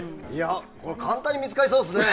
簡単に見つかりそうですね！